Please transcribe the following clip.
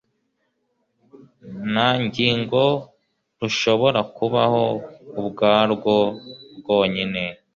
Nta ngingo rushobora kubaho ubwarwo rwonyine.